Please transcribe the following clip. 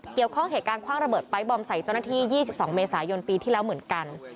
เกี่ยวข้องเหตุการณ์คว่างระเบิดไป๊บอมใส่เจ้าหน้าที่๒๒เมษายนปีที่แล้วเหมือนกัน